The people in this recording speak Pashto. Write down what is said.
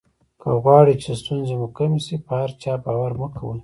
که غواړی چې ستونزې مو کمې شي په هر چا باور مه کوئ.